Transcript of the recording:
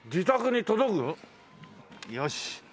よし。